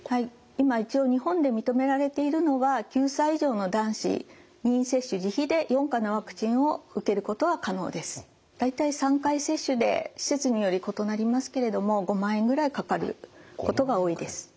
今一応日本で認められているのは大体３回接種で施設により異なりますけれども５万円ぐらいかかることが多いです。